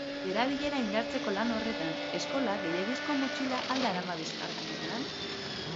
Erabilera indartzeko lan horretan, eskolak gehiegizko motxila al darama bizkar gainean?